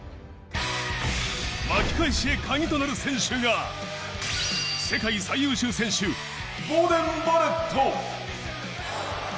巻き返しへのカギとなる選手が、世界最優秀選手ボーデン・バレット。